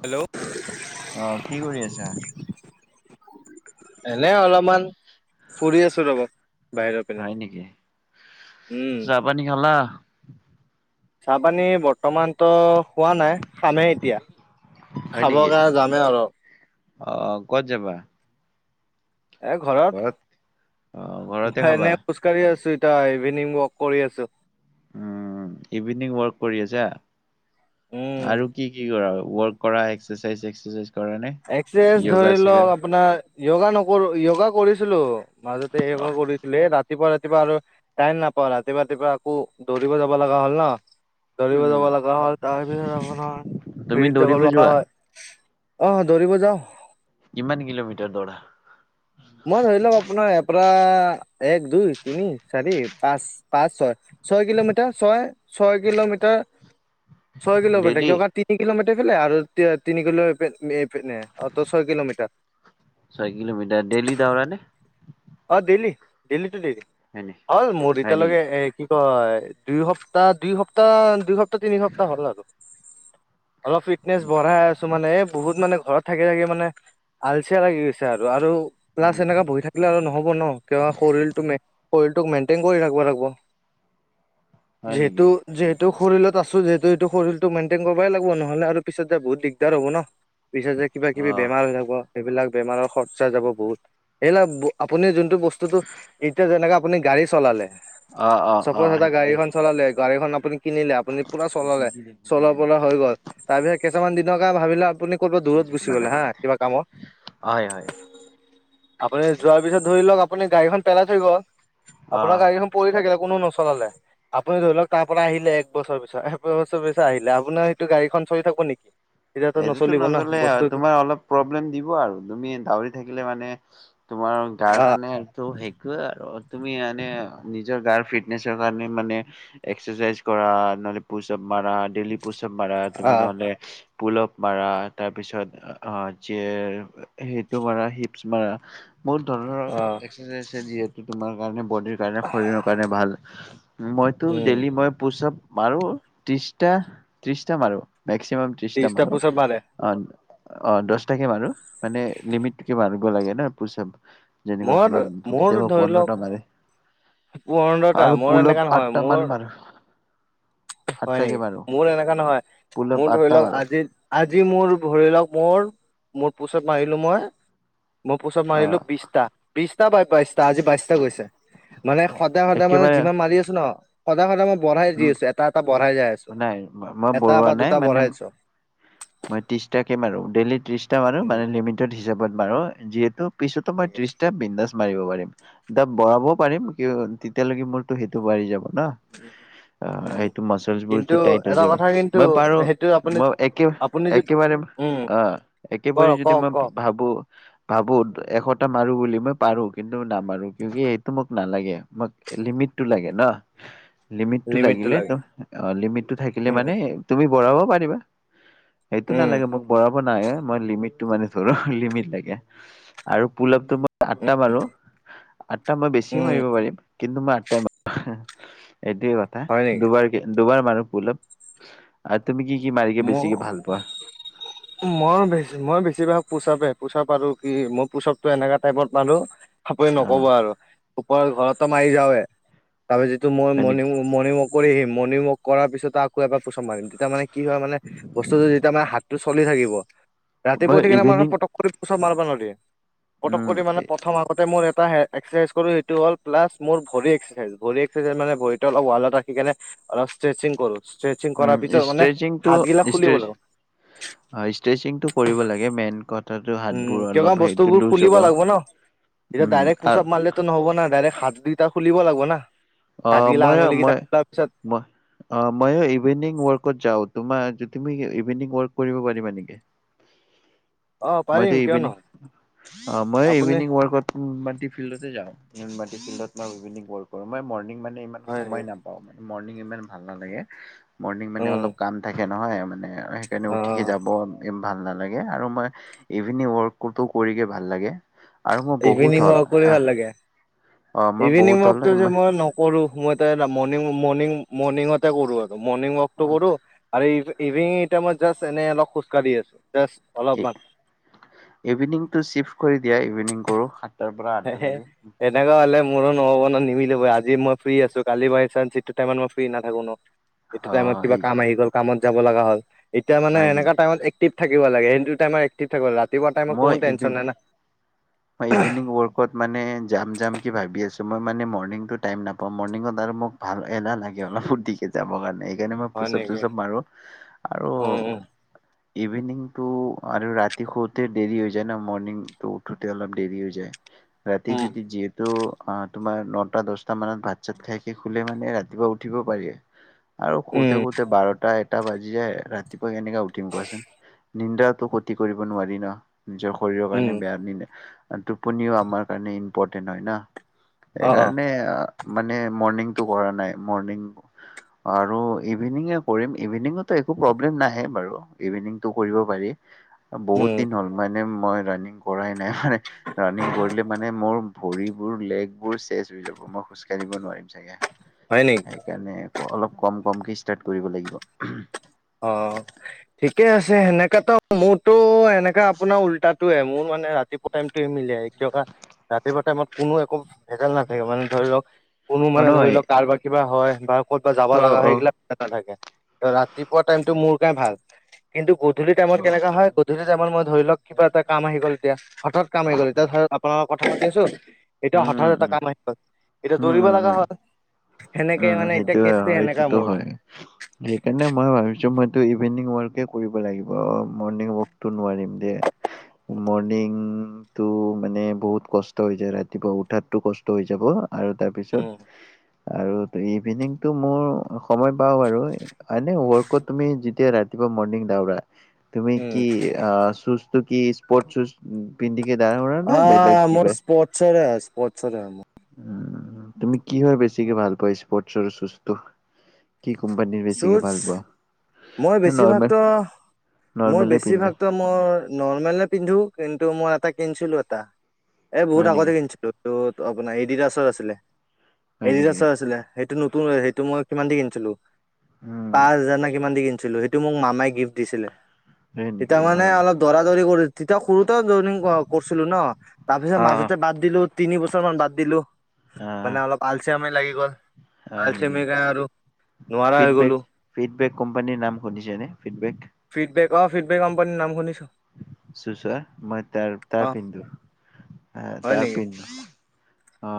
Hello অ কি কৰি আছা এনে অলপমান ফুৰি আছো ৰবা বাহিৰত গৈ পিনে হয় নেকি উম চাহ পানী খালা? চাহপানী বৰ্তমানতো খোৱা নাই খামেই এতিয়া হয় খাব নেকি কাৰণে যামেই আৰু অ ক'ত যাবা? এ ঘৰত অ ঘৰতে মই খাবা এনেই খোজ কাঢ়ি আছো এতিয়া ইভিনিং ৱক কৰি আছো উ ইভিনিং ৱৰ্ক কৰি আছা উম আৰু কি কি কৰা ৱৰ্ক কৰা এক্সাৰচাইজ এক্সাৰচাইজ এক্সাৰচাইজ ধৰি লক আপোনাৰ য়গা নকৰো য়গা কৰিছিলো মাজতে য়গা কৰিছিলে এ ৰাত ৰাতিপুৱা ৰাতিপুৱা আৰু টাইম নাপাও ৰাতিপুৱা ৰাতিপুৱা আকৌ দৌৰিব যাব লগা হ'ল ন দৌৰিব উম যাব লগা হল তাৰ পিছত আপোনাৰ তুমি হেৰিত যাব দৌৰিব লগা যোৱা হয় অঁ দৌৰিব যাওঁ কিমান কিলোমিটাৰ দৌৰা? মই ধৰি লওক আপোনাৰ ইয়াপৰা এক, দুই, তিনি, চাৰি, পাঁচ পাঁচ, ছয় ছয় কিলোমিটাৰ ছয় ছয় কিলোমিটাৰ ছয় কিলোমিটাৰ ডেইলি কিয় কা তিনি কিলোমিটাৰ এফেলাই আৰু তিনি কিলো এইফেনে অ ছয় কিলোমিটাৰ ছয় কিলোমিটাৰ ডেইলি দৌৰা নে? অ ডেইলি ডেইলি টো ডেইলি হয় নেকি অ হয় নেকি এতিয়ালৈকে সেই কি কয় দুই সপ্তাহ দুই সপ্তাহ দুই সপ্তাহ, তিনি সপ্তাহ হ'ল আৰু অলপ ফিটনেছ বঢ়াই আছ ছোঁ মানে বহুত মানে ঘৰত থাকি থাকি মানে আলচিয়া লাগি গৈছে আৰু আৰু প্লাছ উম এনেকা বহি থাক কিলে আৰু নহ'ব ন কিয় শৰীৰ শৰীৰটোক মেইনটেইন কৰি ৰাখিব লাগিব হয় যিহেতু নেকি যিহেতু শৰীৰত আছো যিহেতু এইটো শৰীৰটো মেইনটেইন কৰিবই লাগিব নহলে আৰু পিছত যে বহুত দিগদাৰ হব ন পিছত যে কিবা অ কিবি বেমাৰ হৈ থাকব সেইবিলাক বেমাৰৰ খৰচা যাব বহুত সেইবিলাক ব আপুনি যোনটো বস্তুটোটো এতিয়া যেনেকে আপুনি গাড়ী চলালে অ অ অ চাপজ এটা সেইটো গাড়ীখন চলালে গাড়ীখন আপুনি কিনিলে আপুনি পুৰা চলালে চলাবলে হৈ গ'ল তাৰ পিছত কেইটামান দিনৰ কাৰনে ভাবিলে আপুনি ক'বাত দূৰত গুচি গ'লে হা কিবা কামত হয় হয় আপুনি যোৱাৰ পিছত ধৰি লওক আপুনি গাড়ীখন পেলাই থৈ গল অ আপোনাৰ গাড়ীখন পৰি থাকিলে কোনো নচলালে আপুনি ধৰি লওক তাৰ পৰা আহিলে এক বছৰ পিছত এবছৰ পিছত আহিলে আপোনাৰ সেইটো গাড়ীখন চলি থাকব নেকি? তেতিয়াতো এইটোতো নচলিব না নচলে হয় বস্তুটো তোমাৰ অলপ প্ৰব্লেম দিব আৰু তুমি দাউৰি থাকিলে মানে তোমাৰ গাৰ আহ কাৰণে ত' সেইটোৱে আৰু তুমি এনে নিজৰ গাৰ ফিটনেছৰ কাৰণে মানে এক্সাৰচাইজ কৰা ন'হলে পোচ আপ মাৰাবা ডেইলি পোচ আপ মাৰা তুমি আহ নহলে পোলাপ মাৰা তাৰপিছত আহ যে সেইটো মাৰা হিপছ মাৰা বহুত ধৰণৰ আহ এক্সাৰচাইজ আছে যিহেতু তোমাৰ কাৰণে বডিৰ কাৰণে শৰীৰৰ কাৰণে ভাল মইতো উম ডেইলি মই পোচ আপ মাৰো ত্ৰিশটা ত্ৰিশটা মাৰো মেক্সিমাম ত্ৰিশ টা ত্ৰিশটা মাৰো পোচাপ মাৰে অ দহ তাৰিখে মাৰো মানে লিমিটকে মাৰিব লাগে ন পোচআপ মোইটো মোৰটো ধৰি লওক পূৰ্নটা আৰু মোৰ পুলপ এনেকা নহয় আঠটা মান মোৰ মাৰো। হয় আঠটাকে নেকি মাৰো মোৰ এনেকা নহয় পুলপ মোৰ ধৰি আঠটা লওক মাৰো আজি আজি মোৰ ধৰিলক মোৰ মোৰ পোছআপ মাৰিলোঁ মই মই পোচ আপ মাৰিলো অ', বিছটা। বিশটা বা বাইশটা আজি বাইশটা গৈছে, মানে সদায় সদায় মানে একেবাৰে যিমান মাৰি আছো ন' সদায় সদায় মই বঢ়াই দি উম, আছো এটা এটা বঢ়াই যাই আছো, নাই মই এটা বৰুৱা বা নাই দুটা মানে বঢ়াই আছো। মই ত্ৰিশটাকে মাৰো ডেইলি ত্ৰিশটা মাৰো, উম মানে লিমিটত হিচাপত মাৰো যিহেতু পিছতো মই তাকে। ত্ৰিশটা বিন্দাচ মাৰিব পাৰিম দ' বঢ়াবও পাৰিম, কি তেতিয়ালৈকে মোৰতো সেইটো বাঢ়ি যাব ন'। উমহুম আহ সেইটো মাচলচ বোৰো টাইট হৈ যাব, কথা কিন্তু মই পাৰো সেইটো আপুনি মই একে আপুনি যদি একেবাৰে উম আহ' ক একেবাৰে যদি কওক মই কওক ভাবো ভাবো এশটা মাৰো বুলি মই পাৰো কিন্তু নামাৰো, কি সেইটো মোক নালাগে মই লিমিটটো লাগে ন'। লিমিটটো লাগিলে অ' লিমিটটো থাকিলে উম মানে তুমি বঢ়াব পাৰিবা। সেইটো উম নালাগে মোক বৰ মই লিমিটটো মানি চলোঁ লিমিট লাগে আৰু পুলাপটো উম আঠটা মাৰো আঠটা মই বেছি উম মাৰিব পাৰিম, কিন্তু মই আঠটাই মাৰো। এইটোৱে কথা, হয় নেকি দুবাৰ- দুবাৰ মাৰো পুলোপ। আৰু তুমি কি কি মাৰিকে মোৰ বেছিকে ভাল পোৱা? মই মই বেছিভাগ পোছ- পোছ পাৰো কি মই পোচাপতো এনেকা টাইপত পাৰো আপুনি অ নকব আৰু ঘৰতো মাৰি যাওঁয়ে, তাৰিপিছটো মই যিটো হয় মৰ্ণং নেকি মৰ্ণং ৱক কৰি আহি মৰ্ণং ৱক কৰাৰিছত, আকৌ এাৰ প্ৰোছ মাৰিম তেতিয়া মানে কি হয় মানে বস্তুটো যেতিয়া মানে হাতটো চলি থাকিব। ৰাতিপুৱ মই উঠি কিনে মে ইভিনিং পটক কৰি পুচাব মাৰিবা নোৱাৰিদিয়ে, পটক উম কৰি মানে প্ৰথম আগতে মই এটা এক্সাৰচাইজ কৰো সেইটো হ'ল প্লাছ মোৰ ভৰি এক্সাৰচাইজ, ভৰি এক্সাৰচাইজ মানে ভৰি অলপ ওৱালত ৰাখি কেনে অলপ ষ্ট্ৰেচিং কৰো, ষ্ট্ৰেচিং কৰাৰ পিছত মানে হাতগিলা খুলিব ইষ্টেজ লাগিব ইষ্ট্ৰেচি কৰিব লাগে। মাইন কথা উম', কিয় কাৰণে বস্তুবোৰ খুলিব লাগিব ন'। এতিয়া উম ডাইৰেক্ট আৰু পোচাপ মাৰিলে টো নহব না ডাইৰেক্ট হাত দুটা খুলিব লাগিব না। অ হাতগিলা মই আঙুলি মই বিলাগ খুলনা পিছত মই অ', মই ইভিনং ওৱকট যাওঁ, তোমাৰ তুমি ইভিনিং ওৱক কৰিব পাৰিবা নেকি? অ মইতি পাৰিম কিয় ইভিনিং নহয় অ' মই আপুনি ইভিনিং ওৱাৰকত নাটি ফিল্ডতে যাওঁ, ফিল্ডত মই ইভিনং ওৱক কৰো মই মৰ্ণং মানে মানে মই হয় সময় নেকি নেপাওঁ, মৰ্নিং ইমান ভাল নেলাগে মৰ্নিং উম, অলপ কাম থাকে নহয় মানে আৰু সেইকাৰণে উঠিকে অ' যাব ভাল নালাগে, আৰু মই ইভিনিং ওৱকটো কৰিগৈ ভাল লাগে। আৰু মই বহুত ইভিনিং হ'ল ওৱাক কৰি আহ ভাল লাগে, অ মই বহুত ইভিনিং ওৱাক হ'ল টো যে মই কৰো মই মণং মৰ্ণং মৰ্ণিঙতে কৰো আৰু মৰ্ণিং ওৱাক টো কৰো। আৰু ইভিনিং টাইমত জাষ্ট এনে অলপ খোজকাঢ়ি আছো জাষ্ট। অলপমান। ইভিনিংটো চিফ কৰি দিয়া ইভিনিং কৰো সাতটাৰ পৰা আঠটালৈকে। তেনেকুৱা হ'লে মোৰো নহ'ব নহয় নিমিলিব আজি মই ফ্ৰী আছো, কালি বাই চান্স এইটো টাইমত মই ফ্ৰী নাথাকো ন'। এইটো অ টাইমত কিবা এই কাম আহি গ'ল কামত যাব লগা হ'ল, এতিয়া মানে হয় নেকি এনেকা টাইমত এক্টিভাকিব লাগে সেইটো টাইম এক্টিভ থাকিব, ৰাতিপুৱা টাইম কোনো টেনচন নাই নাহ। ইভিনংক ওৱক ত' মানে যাম যাম কি ভাবি আছোঁ, মই মানে মৰ্নিংটো টাইম নাপাওঁ মৰ্নিংত আৰু মোক ভাল এলাহ লাগে অলপ ফূৰ্তিকে যাবৰ কাৰণে, সেইকাৰণে মই হয় নেকি? পুচাপ-চুচাপ মাৰো আৰু। উম, উম, ইভিনিংটো আৰু ৰাতি শুতে দেৰি হৈ যায় ন মৰ্ণিংটো টোতে অলপ দেৰি হৈ যায় ৰাতি উম, যদি যিহেতু আ তোমাৰ নটা দছটামানত ভাত - চাত খাই খি শুলে মানে ৰাতিপুৱা উঠিব পাৰি। আৰু উম, শুতে শুতে বাৰটা এ টা বাজি যায় ৰাতিপুৱা কেনেকে উঠিম কোৱাচোন? নিন্দাওটো খটি কৰিব নোৱাৰি ন। নিজৰ শৰীৰৰ উম, কাৰণে বেয়া নিদে আৰু টোপনিও আমাৰ কাৰণে ইম্পৰ্টেণ্ট হয় না। অ', অ', সেইকাৰণে আ মানে মৰ্ণিংটো কৰা নাই মৰ্ণিং অ আৰু ইভিনিঙে কৰিম, ইভিনিংতো একো প্ৰব্লেম নাহে বাৰু ইভিনিংটো কৰিব পাৰি। অ উম। বহুত দিন হ'ল মানে মই ৰাণিং কৰাই নাই মানে ৰানিং কৰিলে মানে মোৰ ভৰিবোৰ, লেগবোৰ চেচ হৈ যাব, মই খোজ কাঢ়িব নোৱাৰিম চাগে। হয় নি? সেইকাৰণে ক অলপ কম কমকে ষ্টাৰ্ট কৰিব লাগিব উহু। অ অ ঠিকে আছে সেনেকাটো মোৰতো এনেকা আপোনাৰ উল্টাটোয়ে মোৰ মানে ৰাতি ও টাইমটোয়ে মিলে কিয়বা ৰাতিপুৱা টাইমত কোনো একো ভেজাল নাথাকে মানে ধৰি লওক কোনো অ মানে ধৰি নহয় লওক কাৰোবাৰ কিবা হয় বা ক'তবা যাব অ লাগা হয় অ সেইগিলাক নাথাকে, ত ৰাতিপুৱা টাইমটো মোৰ কাৰণে ভাল। কিন্তু গধূলি টাইমত অ কেনেকা হয়? গধূলি টাইমত মই ধৰি লওক কিবা এটা কাম আহি গ'ল এতিয়া হঠাৎ কাম আহি গ'ল এতিয়া ধৰ আপোনাৰ কথা পাতি আছো এতিয়া উম হঠাৎ উম এটা উম কাম আহি গ'ল। এতিয়া উম দৌৰিব উম লগা উম হ'ল। সেনেকে উম মানে এতিয়া সেইটোৱে কেচটো আৰু সেনেকা সেইটোত মোৰ হয়। সেইকাৰণে মই ভাবিছো মইতো ইভিনিং ৱাৰকে কৰিব লাগিব, মৰ্ণিং ৱকটো নোৱাৰিম। ডে মৰ্ণিং টো মানে বহুত কষ্ট হৈ যায় ৰাতিপুৱা উঠাটো কষ্ট হৈ যাব আৰু তাৰ উম পিছত আৰু ইভিনিংটো মোৰ সময় পাও আৰু মানে ৱৰ্কত তুমি যেতিয়া ৰাতিপুৱা মৰ্ণিং দৌৰা তুমি উম কি আ সুজটো কি স্পট সুজ পিন্ধিকে দাওৰা নে আহ বেলেগ মোৰ কিবা? স্পৰ্টচৰে হয় স্পৰ্টচৰে হয় মোৰ উম তুমি কিহৰ বেছিকে ভাল পোৱা স্পৰ্টচৰ সুজটো। কি কোম্পানীৰ বেছিকে শ্বুজ ভাল পোৱা? মই নে নৰ্মেল বেছিভাগতো, মোৰ নৰ্মেলে পিন্ধা বেছিভাগটো মই নৰ্মেলে পিন্ধো কিন্তু মই এটা কিনছিলো এটা, এ বহুত হয় আগতে নেকি কিনিছিলো। ত' আপোনাৰ এডিডাছৰ আছিলে, হয় নেকি এডিডাছৰ আছিলে। সেইটো নতুন সেইটো মই কিমান দি কিনিছিলো? উম পাঁচ হাজাৰ না কিমান দি কিনিছিলো, সেইটো মোক মামাই গিফ্ট দিছিলে। হয় নেকি তেতিয়া অ মানে অলপ দৌৰা-দৌৰি কৰি, তেতিয়া সৰুতে জয়নিং কৰা কৰিছিলো ন। তাৰ পিছত অ মাজতে বাদ দিলো, তিনি বছৰ মান বাদ দিলো। অ মানে অলপ আলচিয়ামী লাগি গল, হয় নেকি আলচিয়ামী [unintelligible] আৰু নোৱাৰা হৈ ফিডবেক গলো। ফিডবেক কোম্পানীৰ নাম শুনিছেনে, ফিডবেক? ফিডবেক অ ফিডবেক কম্পানীৰ নাম শুনিছো। চুচ চোৱা, মই তাৰ তাৰ অ পিন্ধো আ হয় তাৰ নেকি পিন্ধো অ।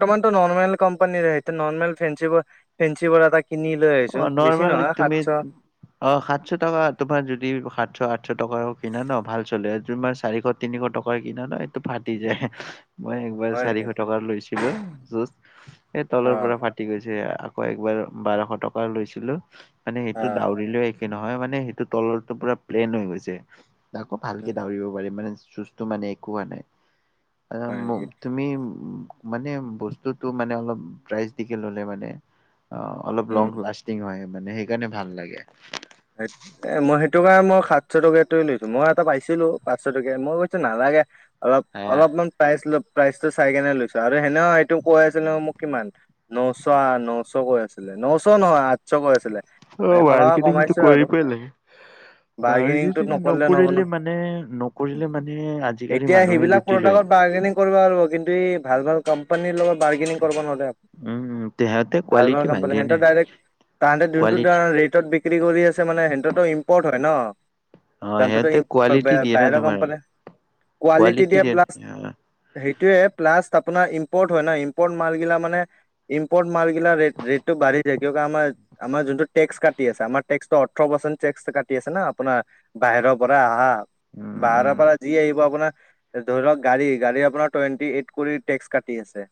তমানটো নৰ্মেল কম্পানীৰে সেইটো নৰ্মেল ফেঞ্চি ব ফেঞ্চি [unintelligible] কিনি লৈ আহিছো অ বেছি নৰ্মেল নহয়, তুমি সাতশ। অ সাতশ টকা তোমাৰ যদি সাতশ, আঠশ টকাৰো কিনা ন ভাল চলে দু মাহছ চাৰিশ, তিনিশ টকাৰ কিনা নাই এইটো ফাটি যায়। মই একবাৰ হয় চাৰিশ নেকি টকা লৈছিলো যোচ, এই অ তলৰ পৰা ফা ফাতি গৈছে, আকৌ একবাৰ বাৰশ টকা লৈছিলো মানে অ সেইটো দৌৰিলো - নহয় মানে সেইটো তলৰটো পুৰা প্লেন হৈ গৈছে, তাকো ভালকে উম দৌৰিব পাৰি মানে যোছ- তো মানে একো হোৱা নাই। হয় আচ্ছা', নেকি তুমি- মানে বস্তুটো মানে অলপ প্ৰাইচ দি কিনি ল'লে মানে অলপ উম লং- লাষ্টিং হয়, মানে সেইকাৰণে ভাল লাগে। সেই এ- মই সেইটো কাৰণে মই সাতশ টকীয়াটো লৈছো, মই এটা পাইছিলো পাঁচশ টকীয়া মই কৈছো নালাগে। অলপ, আহ অলপমান প্ৰাইজ-প্ৰাইজটো চাই কেনে লৈছো। আৰু হেনেও এইটো কৈ আছিল ন' মোক কিমান- নশ, নশ কৈ আছিলে, নশ নহয়, আঠশ কৈ আছিলে। অ', এশ টকা বাৰ্গেনিংটো কমাইছো আৰু কৰি পোৱা নাই। বাৰ্গেনিংটো বাৰ্গেনিং নহ'ব নকৰিলে মানে, ন নকৰিলে মানে আজিকালি এতিয়া মানুহে সেইবিলাক লুটি লয়। প্ৰডাক্টত বাৰ্গেনিং কৰিব পাৰো, কিন্তু এই ভাল ভাল কোম্পানীৰ লগত বাৰ্গেনিং কৰিব নোৱাৰে। উম উম তেহেতে ভাল-ভাল কোৱালিটি ভাল কোম্পানী, দিয়ে নে সিহঁতৰ ডাইৰেক তাহঁতে যোনটো কোৱালিটি ৰেটত বিক্ৰী কৰি আছে মানে সেইটোত মানে ইম্পৰ্ট হয় ন'। অ সিহঁতে কোৱালিটি সিহঁতৰ দিয়ে ন বাহিৰৰ তোমাৰ কোম্পানী, কোৱালিটি দিয়ে প্লাছ- সেইটোয়ে, প্লাছ আপোনাৰ ইম্পৰ্ট হয় ন' ইম্পৰ্ট মাৰিলে মানে- ইম্পৰ্ট মাৰ্গিলা ৰেটটো বাৰহি যায়, কিয় আমাৰ, আমাৰ যোনটো টেক্স কাটি আছে, আমাৰ- টেক্সটো ওঠৰ পাৰ্চেন্ট টেক্স কাটি আছে না' আপোনাৰ বাহিৰৰ পৰা আহা। বাহিৰৰ উম পৰা- যি আহিব আপোনাৰ ধৰ লওঁক গাড়ী-গাড়ী আপোনাৰ টুৱেণ্টি এইট কৰি টেক্স কাটি আছে।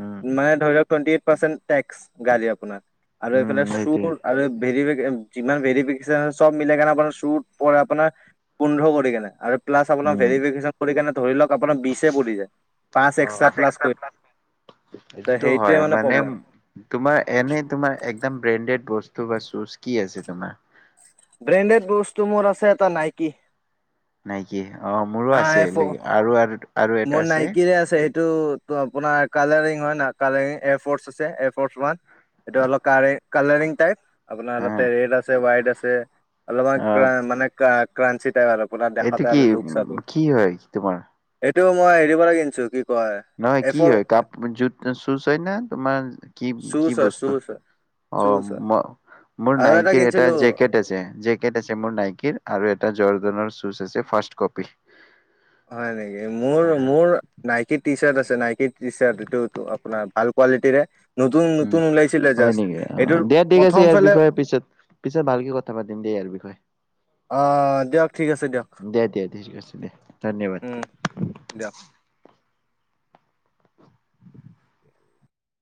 উম উম মানে ধৰি লওঁক টুৱেণ্টি এইট পাৰ্চেন্ট টেক্স গাড়ী আপোনাৰ। আৰু উম এইফালে সেইটোৱে চুৰ- আৰু ভেৰিবে- যিমান ভেৰিফিকেশচন চব মিলাই কেনে আপোনাৰ চুত প-পোন্ধ কৰি আৰু- প্লাছ আপোনাৰ উম ভেৰিফিকেশন কৰি কিনে ধৰি লওঁক আপোনাৰ বিছে পৰি যায়। পাঁচ এক্সট্ৰা প্লাছ কৰি- এইটোতো সেইটোৱে হয়, মানে প্ৰব্লেম। তোমাৰ এনেই তোমাৰ একদম ব্ৰেণ্ডেড বস্তু বা চুজ কি আছে তোমাৰ? ব্ৰেণ্ডেড বস্তু মোৰ আছে এটা নাইকি। নাইকি, অঁ', মোৰো আই আছে, আৰু-আৰু, আৰু এটা আছে। ঠিকে আছে। এইটো ত' আপোনাৰ কালাৰিং হয় না' কালাৰিং এ ফৰ্চ আছে এফৰ্ ওৱান। এইটো অলপ কা-কালাৰিং টাইপ, আপোনাৰ হা তা'তে ৰেড আছে, হোৱাইট আছে। অ অলপমান মানে কা-ক্ৰানঞ্চি টাইপ আৰু। আপোনাৰ এইটো দেখাতে কি, আৰু লুকচ আৰু উম' কি হয় তোমাৰ? এইটো মই হেৰী পৰা কিনিছো কি কয় নহয়, কি এফৰ হয় কাপ জুত-চুজ হয় না' তোমাৰ কি কি চুজ হয় বস্তু? চুজ হয় অ', চুজ হয় ম-মোৰ আৰু নাইকিৰ এটা, কিনিছিলো জেকেট আছে। জেকেট আছে মোৰ নাইকিৰ, আৰু এটা জৰ্ডনৰ শুজ আছে ফাৰ্ষ্ কপি। হয় নেকি। উম মোৰ-মোৰ- নাইকীৰ টি চাৰ্ট আছে, নাইকিৰ টি চাৰ্ট, এইটো আপোনাৰ ভাল কোৱালিটিৰে। নতুন-নতুন ওলাইছিলে জাষ্ট। এইটোৰ প্ৰথম ফালে তাৰপিছত পিছত ভালকে কথা পাতিম দেই হাঁহৰ বিষয়ে। আহ দিয়ক ঠিক আছে দিয়ক দিয়া-দিয়া, থৈছো দিয়া, ধন্যবাদ। উম দিয়ক।